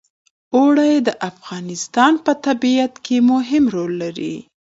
اوړي د افغانستان په طبیعت کې مهم رول لري.